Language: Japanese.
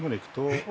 えっ！